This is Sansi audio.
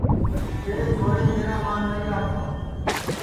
تیرے چھورین میرا مان نائی راکھا